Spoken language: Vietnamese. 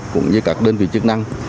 cũng như các đơn vị chức năng